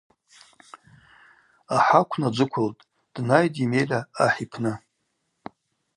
Ахӏакв наджвыквылтӏ, днайтӏ Емеля ахӏ йпны.